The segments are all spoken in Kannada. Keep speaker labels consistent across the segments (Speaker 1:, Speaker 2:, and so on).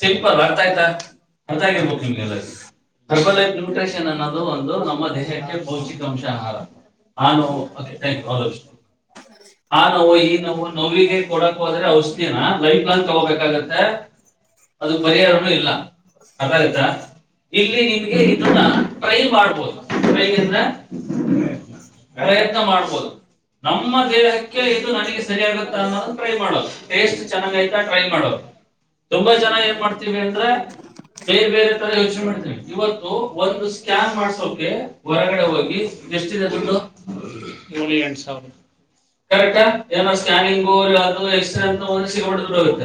Speaker 1: ಸಿಂಪಲ್ ಅರ್ಥ ಆಯ್ತಾರ್ನ್ಯಟ್ರನ್ ಅನ್ನೋದು ಒಂದು ನಮ್ಮ ದೇಶಕ್ಕೆ ಪೌಷ್ಟಿಕಾಂಶೋವು ಆ ನೋವು ಈ ನೋ
Speaker 2: ಕೊಡಕ್ ಹ್ರೆ ಔಷಧಿನ ಲೈಫ್ ಪ್ಲಾನ್ ತಗೋಬೇಕಾಗತ್ತೆ ಅದು ಪರಿಹಾರ ಇಲ್ಲ ಅಾಯತ ಇಲ್ಲಿ ನಿಮಗೆ ಇದನ್ನ ಟ್ರೈ ಮಾಡ್ಬೋದು ್ರೈ ಅಂದ್ರ ಪ್ರಯತ್ನ ಮಾಡ್ಬೋದು ನಮ್ಮ ದೇಹಕ್ಕೆ ಇದು ನನಗೆ ಸರಿ ಆಗುತ್ತ ಅನ್ನೋದು ಟ ಚ ಟೈ ಮಾಡೋ ತುಂಬಾ ಚನಾಗ ಏನ್ ಮಾಡ್ತೀವಿ ಅಂದ್ರೆ ಬೇರೆ ಬೇರೆ ತರ ಯೋಚನೆ ಮಾಡ ಇವತ್ತು ಒಂದು ಸ್ಕ್ಯಾನ್ ಮಾಡಸೋೆ ಹೊರಗಡೆ ಹೋಗಿ ಎಷ್ಟ ದುಡ್ಡುಏಾವರೆಕ್ಏಕ್ಯಾನಿಂಗ
Speaker 1: ್ೋಗ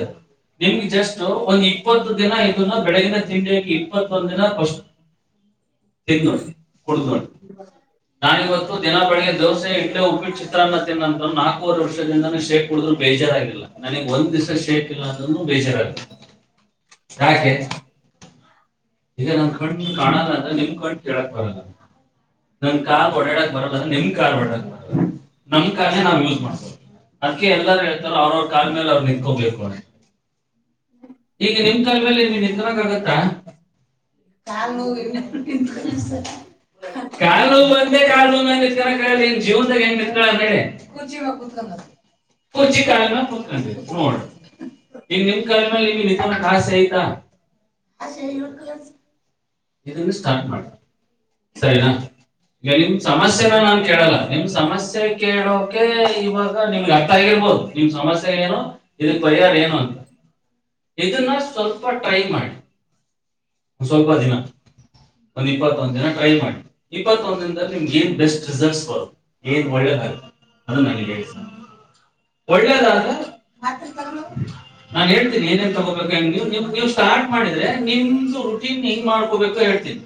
Speaker 1: ನಿಮ್ಗೆ ಜಸ್ಟ್ ಒಂದ್ ಇಪ್ಪತ್ತು ದಿನ ಇದನ್ನ ಬೆಳಗಿನ ತಿ ಇಪ್ಪತ್ತೊಂದ ದಿನ ತಿಂದು ನೋಡಿ ಕುಡ್ದ್ ನೋಡಿ ನಾನ ಇವತ್ತು ದಿನ ಬೆಳಗ್ ದೋಸೆ ಇಡ್ಲೆ ಉರ್ಿ ಚಿತ್ರಾನ್ನ ತಿಂತ ನಾಲ್ಕವರೆ ವರ್ಷೇ ಕು
Speaker 2: ಬೇಜಾರಾಗಿಲ್ಲ ನನಗ್ ಒಂದ್ ದಿವಸ ಶೇಕ್ ಇಲ್ಲ ಅದ ಬೇಜಾರಾಗಿಲ್ಲ ಹಾಗೆ ಈಗ ನನ್ ಕಣ್ ಕಾಣಲ್ಲ ಅದ ನಿಮ್ ಕಣ್ ಕೇಳಕ್ ಬರಲ್ಲ ನನ್ ಕಾರ್ ಓಡಾಡಕ್ ಬರಲ್ಲದ ನಿಮ್ ಕಾರ್ ಓಡಕ್ ಬರಲ್ಲ ನಮ್ ಕಾರ್ೇ ನಾವ್ ಯೂಸ್ ಮಾಡ್ಬೋದು ಅದ್ಕ್ಕೆ ಎಲ್ಲಾರು ಹೇಳ್ತಾರ ಅವ್ರ ಅವ್ರ ಕಲ್ ಮೇಲೆ ಅವರು ನಿತ್ಕೋಬೇಕು ಈಗ ನಿಮ್ ಕಲವೆೇಲೆ ನೀನ್ ನಿದಕ್ ಆಗತ್ತಾ ಕಾ ಕಾಲು ಬಂದ ಕಾನಕನ್ ಜೀವನ್ದಾಗ ಹೆಂಗ ನಿ ನರ್ ಕುರ್ಚಿ ಕಾಲಿನತ್ಕ ನೋ ಇನ್ ನಿ ಕಾಲಿನ ಹಾ ಸ ಈಿತಾ ಅೇ ನೀ
Speaker 1: ಬಸ್
Speaker 2: ಇದನ್ನ ಸ್ಟಾರ್ಟ್ ಮಾಡತ ಸರಿನಾ ಈಗ ನಿಮ್ ಸಮಸ್ಯೆನ ನಾನ್ ಕೇಳಲ್ಲ ನಿಮ್ ಸಮಸ್ಯೆ ಕೇಳೋಕೆ ಇವಾಗ ನಿಮ್ಗೆ ಅರ್ಥ ಆಗಿರ್ಬೋದು ನಿಮ್ ಸಮಸ್ಯೆ ಏನು ಇದಕ್ಕೆ ಪರಿಹಾರ ಏನು ಅಂತ ಇದನ್ನ ಸ್ವಲ್ಪ ಟ್ರೈ ಮಾಡಿ
Speaker 1: ಸ್ವಲ್ಪ ದಿನ
Speaker 2: ಇಪ್ಪತ್ತಂದ ದಿನ ಟ್ರೈ ಮಾಡಿ ಇಪ್ಪತ್ತೊಂದ ನಿಮ ಏನ್ ಬೆಸ್ಟ್ ರಿಸಲ್ಟ್ಸ್ ಬದು ಏನ್ ಒಳ್ಳದ್ತ ಅಳ್ ಒಳ್ಳೇದ ನ ಹೇಳ್ತೀಿ ಏನೇನ್ ತಗೋಬೇಕ ಸ್ಟಾರ್ಟ್ ಮಾಡಿದ್ರೆ ನಿಮಟನ್ ಹೋಗಬೇಕು ಹೇಳ್ತೀನಿ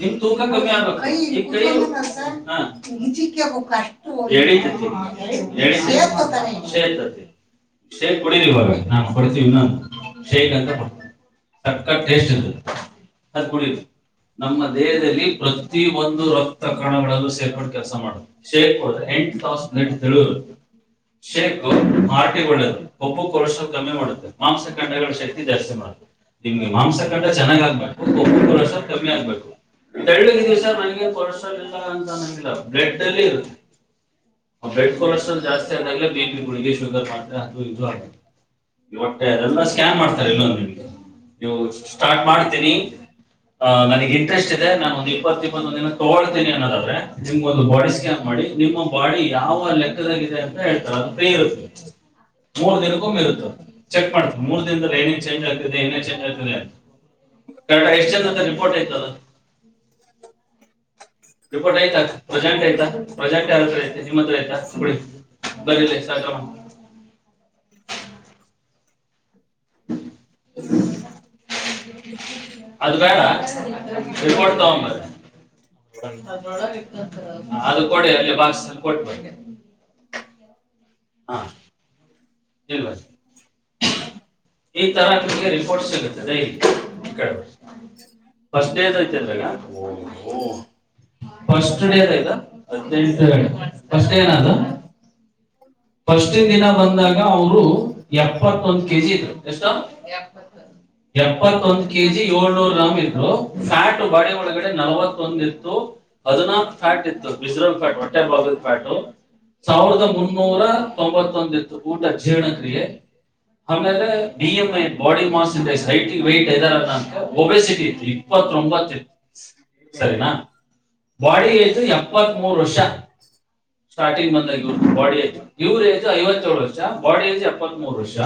Speaker 2: ನಿಮ್ಮ ತುಕಾ ಕಡಿಮೆ ಆಗಬೇಕು ಹ ಎಳೀತಾದೆ ಎಳೀತಾದೆ ಶೇಕೆ ಕುಡೀರಿ ಈಗ ನಾವು ಕೊಡ್ತೀವಿ ಸಕತ್ ಟೇಸ್ಟ್ ಅದು ಆ ಕುಡೀರಿ ನಮ್ಮ ದೇಹದಲ್ಲಿ ಪ್ರತಿಯೊಂದು ರಕ್ತಕಣಗಳಲ್ಲೂ ಸೇರಿಕೊಂಡು ಕೆಲಸ ಮಾಡುತ್ತೆ ಶೇಕ್ ಕುಡಿದ್ರೆ ಶೇಕು ಹಾರ್ಟ್ಗೆ ಒಳ್ಳೆಯದು ಪಂಪ್ ಕಾಲ್ಸ್ಟ್ರೋಲ್ ಕಮ್ಮಿ ಮಾಡುತ್ತೆ ಮಾಂಸಖಂಡಗಳ ಶಕ್ತಿ ಜಾಸ್ತಿ ಮಾಡುತ್ತೆ ಈಗ ಮಾಂಸಖಂಡ ಚೆನ್ನಾಗಿ
Speaker 1: [inaudible]
Speaker 2: ಕಮ್ಮಿ ಆಗಬೇಕು ತೆಳ್ಳಗೆ ಇದೀನಿ ಸರ್ ನಂಗೇನು ಕಾಲ್ಸ್ಟ್ರೋಲ್ ಇಲ್ಲ ಬ್ಲಡ್ ಅಲ್ಲಿ ಇರುತ್ತೆ ಬ್ಲಡ್ ಕಾಲ್ಸ್ಟ್ರೋಲ್ ಜಾಸ್ತಿ ಅದಾಗ್ಲೇ ಬಿಪಿ ಶುಗರ್ ಅದು ಇದು ಹಾಳು ಮುಲು ಅಂದ್ರೆ ಸ್ಕ್ಯಾನ್ ಮಾಡ್ತಾರೆ ಇನ್ನೊಂದು ಸ್ಟಾರ್ಟ್ ಮಾಡ್ತೀನಿ ಆ ನನಗ್ ಇಂಟ್ರೆಸ್ಟ್ ಇದೆ ನಾನು ಒಂದ ಇಪ್ಪತ್ ಇಪ್ಪತ್ತ್ತೊಂದ ದಿನ ತಗೊಳ್ತೀನಿ ಅನ್ನೋದಾದ್ರೆ ನಿಮ್ಗ ಒಂದು ಬಾಡಿ ಸ್ಕ್ಯಾನ್ ಮಾಡಿ ನಿಮ್ಮ ಬಾಡಿ ಯಾವ ಲೆಕ್ಕದಲ್ಲಿದೆ ಅಂತ ಹೇಳ್ತಾರೆ ಅದು ಫ್ರೀ ಇರುತ್ತೆ ಮೂರ್ ದಿನಕ್ಕೂ ಇರುತ್ತ ಚೆಕ್ ಮಾಡ್ತ ಮೂರ್ ದಿನದಲ್ಲಿ ಏನೇನ್ ಚೇಂಜ್ ಆಗ್ತದೆ ಏನೇನ್ ಚೇಂಜ್ ಆಗ್ತಿದೆ ಎಷ್ಟು ಜನ ರಿಪೋರ್ಟ್ ಆಯ್ತ ರಿಪೋರ್ಟ್ ಆಯ್ತಾ ಪ್ರಜೆಂಟ್ ಆಯ್ತಾ ಪ್ರಜೆಂಟ್ ಯಾರತ್ರ ಆತ ನಿಮ್ಮ ಹತ್ರ ಆಯ್ತಾ ಕೊಡಿ ಬರೀರಿ ಸ ಕ್ರಮ ಅದು ಬೇಡ ರಿಪೋರ್ಟ್ ತಕೊಂಡು ಬನ್ನಿ ಅದು ಕೊಡ ಅಲ್ಲಿ ಬಾಕ್ಸ್ ಅದು ಕೊಡಿ [unintelligible]
Speaker 1: ಹಾ ಇಲ್ಲ ಈ ತರ ರಿಪೋಟ್ ಸಿಗುತ್ತೆ ಡೈಲಿ ಫ್ರಿಸ್ಟ್ ಡೇ ಓಹೋ ಫ್ರಿಸ್ಟ್ ಡೇ ದ ಇದು ಹದಿನೆಂಟು ಎರಡು ಫ್ರಿಸ್ಟ್ ಡೇನಾ ಅದು
Speaker 2: ಫಸ್ಟನ್ ದಿನ ಬಂದಾಗ ಅವರು ಎಪ್ಪತ್ತೊಂದ ಕೆಜಿ ಇದ್ರು ಎಷ್ಟ ಎಪ್ಪತ್ತೊಂದ ಕೆ ಜಿ ಏಳ್ನೂರು ಗ್ರಾಮ್ ಇದ್ರು ಫ್ಯಾಟ್ ಬಾಡಿ ಒಳಗಡೆ ನಲವತ್ತೊಂದ ಇತ್ತು ಹದಿನಾಕ್ ಫ್ಯಾಟ್ ಇತ್ತು ಬಿಜ್ರಲ್ ಫ್ಯಾಟ್ ಹೊಟ್ಟೆ ಭಾಗದು ಫ್ಯಾಟ್ ಸಾವಿರದ ಒಬೈ
Speaker 1: ತೊಂಬತ್ತೊಂದ ಇತ್ತು ಊಟ ಊಟ ಜೀರ್ಣ ಕ್ರಿಯೆ ಆಮೇಲೆ B M I body mass index height weight ಎಲ್ಲಾ ಒಬೆಸಿಟಿ ಇಪತ್ತು ಒಂಬತ್ತು ಇತ್ತು ಸರಿನಾ ಬಾಡಿ ಏಜ್ ಏಪತ್ತು ಮೂರು ವರ್ಷ ಸ್ಟಾರ್ಟಿಂಗ್ ಬಂದಾಗ ಇವ್ರು ಬಾಡಿಯಲ್ಲಿ
Speaker 2: ಇವ್ರು ಏಜ್ ಐವತ್ತೇಳು ವರ್ಷ ಬಾಡಿ ಏಜ್ ಏಪತ್ತು ಮೂರು ವರ್ಷ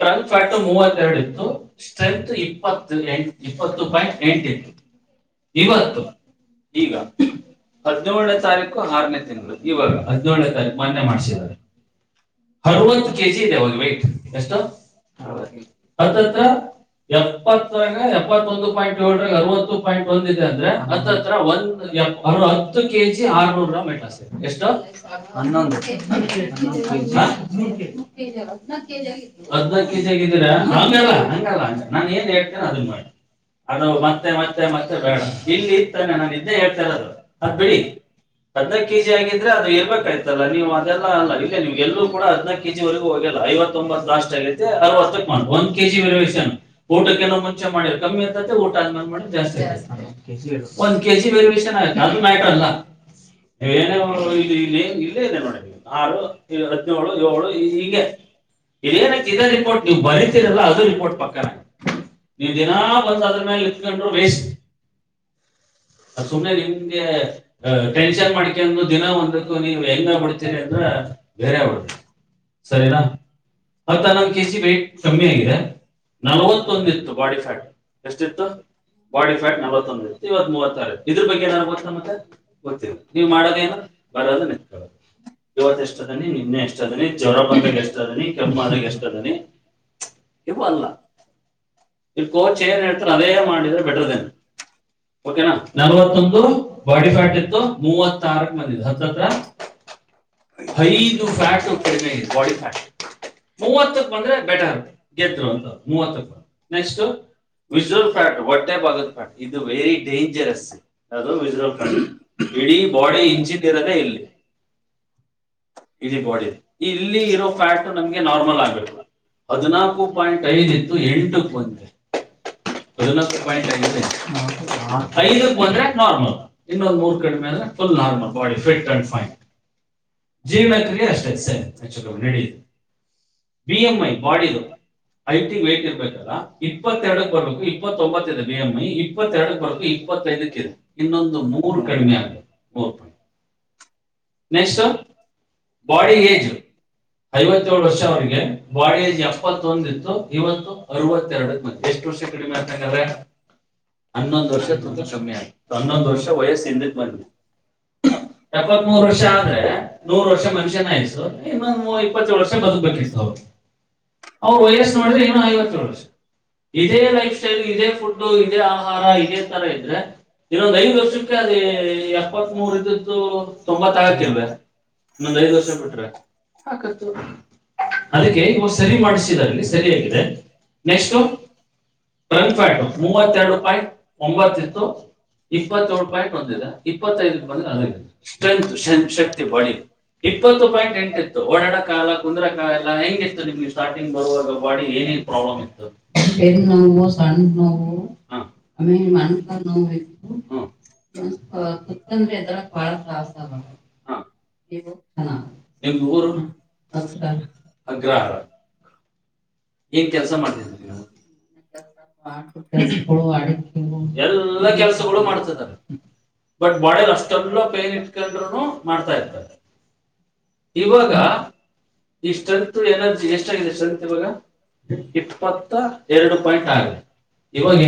Speaker 2: ಟ್ರನ್ ಫ್ಯಾಟ್ ಮೂವತ್ತೆರಡು ಇತ್ತು ಸ್ಟ್ರೆಂತ್ ಇಪ್ಪ ಇಪ್ಪತ್ತು ಪಾಯಿಂಟ್ ಎಂಟು ಇತ್ತು ಇವತ್ತು ಈಗ ಹದಿನೇಳನೇ ತಾರೀಕು ಆರನೇ ತಿಂಗಳು ಇವಾಗ ಹದಿನೇಳನೇ ತಾರೀಕು
Speaker 1: ಮೊನ್ನೆ ಮಾಡಿಸಿರೋದು
Speaker 2: ಅರವತ್ತು ಕೆಜಿ ಇದೆ ಅವಾಗ ವೆಯಿಟ್ ಎಷ್ಟು ಹತ್ತತ್ರ ಎಪ್ಪತ್ತರಿಂದ ಎಪ್ಪತ್ತೊಂದು ಪಾಯಿಂಟ್ ಏಳುರಾ ಅರವತ್ತು ಪಾಯಿಂಟ್ ಒಂದ್ ಇದೆ ಅಂದ್ರೆ ಹತ್ತತ್ರ ಒಂದ ಹತ್ತು ಕೆಜಿ ಆರ್ನೂರ್ ಮೆಟ್ ಎಷ್ಟು ಹನ್ನೊಂದು ಹನ್ನೊಂದು ಕೆಜಿ ಆ ಹಾದಿಮೂರು ಕೆ ಜಿ ಹದಿನಾಕು ಕೆಜಿ ಆಗೈತಿ ಹಂಗಲ್ಲ ಹಂಗಲ್ಲ ನಾನು ಏನ್ ಹೇಳ್ತೀನಿ ಅದನ್ನ ಮಾಡಿ ಅದು ಮತ್ತೆ ಮತ್ತೆ ಮತ್ತೆ ಬೇಡ ಇಲ್ಲಿ ನಾನು ಇದ್ನೇ ಹೇಳ್ತ ಇರೋದು ಅದು ಬಿಡಿ ಹದಿನೈದು ಕೆಜಿ ಆಗಿದ್ರೆ ಅದು ಎಲ್ಲಿ ಬರ್ತಾಯಿತು ನೀವು ಅದೆಲ್ಲ ಅಲ್ಲ ಎಲ್ಲು ಕೂಡ ಹದಿನಾಲ್ಕುಕೆ ಜಿ ವರೆಗೂ ಹೋಗಲ್ಲ ಐವತ್ತು ಒಂಬತ್ತು ಲಾಸ್ಟ್ ಆಗೈತೆ ಅರವತ್ತ ಒಂದ ಕೆ ಜಿ ವೆರಿಯೇಷನ್ ಊಟಕ್ಕೆಏ ಮುಂಚೆ ಮಾಡ ಕಮ್ಮಿ ಅಂತ ಊಟ ಆದ್ಮೇಲೆ ಮಾಡ ಜಾಸ್ತಿ ಆಗುತ್ತೆ ಒಂದು ಕೆಜಿ ವೆರಿವೇಷನ್ ಅದು ಮ್ಯಾಟರ್ ಅಲ್ಲ ನೀವು ಏನೇ ಮಾಡಿದ್ರು ಇಲ್ಲಿ ಇಲ್ಲ ಇ ನೋಡ ಆ ಹದಿನೇಳು ಏಳು ಹಿಂಗೆ ಇೇನ ಇದೇ ರಿಪೋರ್ಟ್ ನೀವು್ ಬರಿತಿರಲ್ಲ ಅದ ರಿಪೋರ್ಟ್ ಪಕ್ಕನ ನೀವು ದಿನ ಬಂದ ಅದ್ರ ಮೇಲೆ ನಿತ್ಕೊಂಡ್ರು ವೇಸ್ ಸುಮ್ಮ್ನೆ ನಿಮ್ಗೆ ಟೆನ್ಷನ್ ಮಾಡ್ಕೊಂಡ್ರು ದಿನ ಒಂದಕ್ಕು ನೀವು ನ್ ಬಿಡ್ತೀರಿ ಅಂದ್ರ ಬೇರೆ ಅವ ಸರಿನಾ ಹತ್ತನ್ನಂದು ಕೆ ಜಿ ವೇ್ಟಟ್ ಕಮ್ಮಿ ಆಗಿದೆ ನಲವತ್ತೊಂದಿತ್ತು ಬಾಡಿ ಫ್ಯಾಟ್ ಎಷ್ಟಿತ್ತು ಬಾಡಿ ಫ್ಯಾಟ್ ನಲವತ್ತೊಂದ ಇತ್ತು ಇವತ್ ಮೂವತ್ತಾರು ಇದ್ರ ಬಗ್ಗೆು ಗೊತ್ತ ಮತ್ತೆ ಗೊತ್ತಿರ ನೀವು ಮಾಡೋದ ಏನು ಬರೋದ ಇವತ್ತಷ್ಟ ನಿನ್ನೆ ಎಷ್ಟ ಅದನಿ ಜ್ವರ ಬಾಗ ಎಷ್ಟ ಅದನಿ ಕೆಂಪದಾಗ ಎಷ್ಟ ಅದನಿ ಇವ ಅಲ್ಲ ಇ ಕೋಚ್ ಏನ್ ಹೇಳ್ತಾರೆ ಅದೇ ಮಾಡಿದ್ರೆ ಬೆಟರ್ನ್ ಓಕೆನಾ ನಲ್ವತ್ತೊಂದು ಬಾಡಿ ಪ್ಯಾಟ್ ಇತ್ತು ಮೂವತ್ತಾರಕ್ ಮಂದಿ ಹತ್ತತ್ರ
Speaker 1: ಐದು ಫ್ಯಾಟ್ ಕಡಿಮೆ ಇದೆ ಬಾಡಿ ಫ್ಯಾಟ್ ಮೂವತ್ತಕ್ಕೆ ಬಂದ್ರೆ ನೆಕ್ಸ್ಟ್ ವಿಜಲ್ ಫ್ಯಾಟ್ ಹೊಟ್ಟೆ ಭಾಗದ ಫ್ಯಾ ಇದು ವೆರಿ ಡೇಂಜರಸ್ ಅದು ವಿಜಲ್ ಫ್ಯಾಟ್ ಇಡೀ ಬಾಡಿ ಇಂಜಿನ್ ಇರೋದೆೇ ಇಲ್ಲಿ
Speaker 2: ಇ ಬಾಡಿ ಇಲ್ಲಿ ಇರೋ ಫ್ಯಾಟ ನಮ್ಗೆ ನಾರ್ಮಲ್ ಆಗ್ಬೇಕಲ್ಲ ಹದಿನಾಲ್ಕು ಪಾಯಿಂಟ್ ಐದ ಇತ್ತು ಎಂಟಕ್ ಬಂದ್ರೆ ಹದಿನಕು ಪಾಯಿಂಟ್ ಐಕ್ ಬಂದ್ರೆ ನಾರ್ಮಲ್ ಇನ್ನೊಂದು ಮೂರ್ ಕಡಿಮೆ ಅಂದ್ರೆ full normal body fit and fine ಜೀರ್ಣಕ್ರಿಯೆ ಅಷ್ಟದೆ ನಡ B M I body IT weight ಇರ್ಬೇಕಲ್ಲ ಇಪ್ಪತ್ತೆರಡ ಬರ್ಬೇಕು ಇಪ್ಪತ್ತೊಂಬತ್ತ ಇದೆ ಬಿ ಎಂ ಐ ಇಪ್ಪತ್ತೆರಡ ಬರ್ಬೇಕು ಇಪ್ಪತ್ತೈದಕ್ಕ ಇದೆ ಇನ್ನೊಂದು ಮೂರು ಕಡಿಮೆ ಆಗಿದೆ ಮೂರುಪಾಯಿ
Speaker 1: ಮಿಸ್ಸು
Speaker 2: ಬಾಡಿ ಏಜ್ ಐವತ್ತೇಳು ವರ್ಷ ಅವಿಗೆ ಬಾಡಿ ಏಜ್ ಎಪ್ಪತ್ತೊಂದಿತ್ತು ಇವತ್ತು ಅರವತ್ತೆರಡಕ್ ಬಂದ ಎಷ್ಟು ವರ್ಷ ಕಡಿಮೆ ಅಂತಕ್ಕಾದ್ರೆ ಹನ್ನೊಂದ ವರ್ಷ ತೂತ ಕಡಿಮೆ ಆಗಿತ್ತು ಹನ್ನೊಂದು ವರ್ಷ ವಯಸ್ಸಿಂದಕ್ಕೆ ಬಂದಿತ್ತು ಎಪ್ಪತ್ತ್ ಮೂರು ವರ್ಷ ಆದ್ರೆ
Speaker 1: ನೂರು ವರ್
Speaker 2: ಮನುಷ್ಯನು ಇನ್ನೊಂದು ಇಪ್ಪತ್ತೇಳು ವರ್ಷ ಬದುಬೇಕಿರ್ತವ್ರು ಅವರು ವಯಸ್ ನೋಡ್ರೆ ಇನ್ನೊಂದು ಐವತ್ತೇಳು ವರ್ಷ ಇದೇ ಲೈಫ್ ಸ್ಟೈಲ್ ಇದೇ ಫುಡ್ ಇದೇ ಆಹಾರ ಇದೇ ತರ ಇದ್ರೆ ಇನ್ನೊಂದ್ ಐ ವರ್ಷಕ್ಕೆ ಅದ ಎಪ್ಪತ್ ಮೂರ ಇದದ್ದು ತೊಂಬತ್ ಆಗತವೆ ಇೊ ಐ ವರ್ಷ ಬಿಟ್ರೆ ಅದಕ್ಕೆ ಇವು ಸರಿ ಮಾಡಿಸಿದಲ್ಲಿ ಸರಿಯಿದೆ ನೆಕ್ಸ್ಟ್ ್ರಟ ಮೂವತ್ತೆರಡು ಪಾಯಿಂಟ್ ಒಂಬತ್ತ ಇತ್ತು ಇಪ್ಪತ್ತೇಳು ಪಾಯಿಂಟ್ ಒಂದಿದೆ ಇಪ್ಪತ್ತೈ ಬಂದೆ ಅ ಸ್ಟ್ರೆಂತ್ ಶಕ್ತಿ ಬಾಡಿ
Speaker 1: ಇಪ್ಪತ್ತು ಪಾಯಿಂ ಎಂ ಇತ್ತು ಓಡಾಡ ಕಾಲ ಕುಂದ್ರ ಕಾಲ ಎ ಹೆಂಗ ಇತ್ತು ಸ್ಟಾರ್ಟಿ ಬರುವ ಬ ಏ ಇೋಣ್ಣೋ ನಿಮ ಊರು ಅಗ್ರಹಾರ
Speaker 2: ಏನ್ ಕೆಲ್ಸ ಮಾಡ್ರಿಲ್ಲ ನ
Speaker 1: ಹ
Speaker 2: ಎಲ್ಲಾ ಕೆಲ್ಸಗಳು ಮಾಡ್ತಾರೆ ಬಟ್ ಬಾಡಲಿ ಅಷ್ಟೆಲ್ಲ ಪೈನ್ ಇಟ್ಕೊಂಡ್ರು ಮಾಡ್ತಾ ಇರ್ತಾರೆ ಇವಾಗ ಈ ಸ್ಟ್ರೆಂತ್ ಎನರ್ಜಿ ಎಷ್ಟಾಗಿದೆ ಸ್ಟ್ರೆಂತ್ ಇವಾಗ ಇಪ್ಪತ್ತ ಎರಡು ಪಾಯಿಂಟ್ ಆಗಿದೆ ಇವಾಗ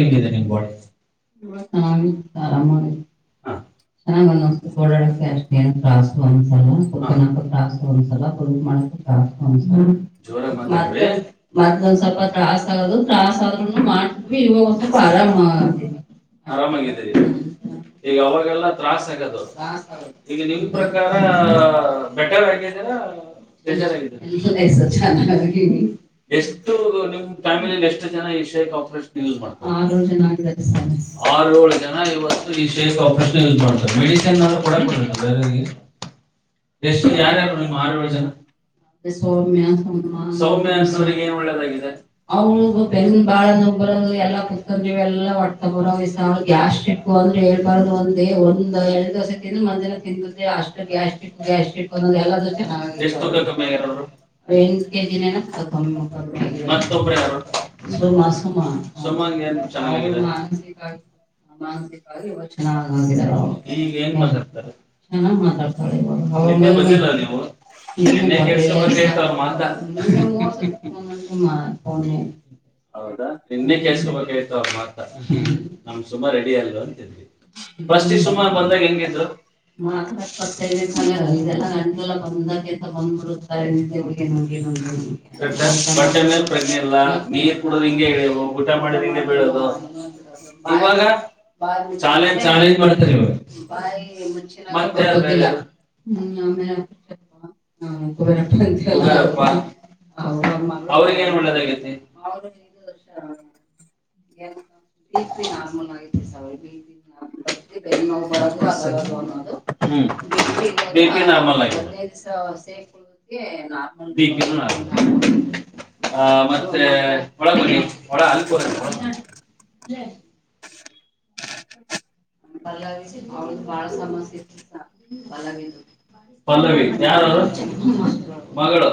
Speaker 2: ಓಡಾಷ್ಟ ನ್ ಮಂದ್ ಸ್ವಲ್ಪಸ್ ಆಗಾಸ ಆದೂ
Speaker 1: ಆರಾಮರಿ ಈಗ ಅವಾಗೆಲ್ಲಾಾಸ ಆಗ ಈಗ ನಿಮ ಪ್ರಕಾರ ಟರ್ ಆ ಎಷ್ಟು ಫ್ಯಾಮಿ ಎಷ್ಟು ಜನ ಆಪ
Speaker 2: ಆ ಜನ ಇವತ್ತು ಯ ಮಾಡ್ತಾರೆ ಮೆಡನ್
Speaker 1: ಎಷ್ಟ ಆರು ಜಯ
Speaker 2: ಬರೋದು ಎಲ್ಲಾ ಕುತರ್ ನೀವೆ ಎಲ್ಲಾ ಒತ ಬರ ವಯ್ ಅವಿಗೆ ಎಷ್ಟ ಇಟ್ಟು ಅಂದ್ರೆ ಹೇಳ್ಬಾರೋದು ಒಂದೇ ಒಂದ ಎರಡು ದಿವಸ ತಿಿಂದ ಮಂದ್ಜನ ತಿನ್ೆ
Speaker 1: [inaudible] [inaudible]
Speaker 2: ಮಾತಾಡ್ತಳ ಇನ್ನೆ ಕೆೇಸ್ಕೋಬೇಕಯ್ತು ಅವ ಮಾತ ನಮ್ ಸುಮಾ ರೆಡಿ ಆಗ್ ಅಂತಿದವಿ ಫಸ್ಟ್ ಈ ಸುಮಾರ ಬಂದಾಗ ಹೆಂಗಿದ್ರು [unintelligible] ್ ಊಟ ಮಾಡ ಬೆದುಾಲ ಚಾಲೆಂಜ್ ಮಾಡ್ತ ಇವ
Speaker 1: ಕ್ [unintelligible] ಹ ಎ [unintelligible]
Speaker 2: ಆಲ್ ಆಗವು ಮತ್ತೆ ಹೊ ಹೊ ಅ ಅಲ್ಲ
Speaker 1: ಕ್ [unintelligible]
Speaker 2: ಭಲ್ಲಳ ಪಲ್ಲವಿ ಯಾರ ಮಗಳು